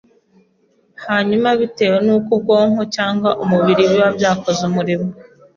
hanyuma bitewe n’uko ubwonko cyangwa umubiri biba byakoze umurimo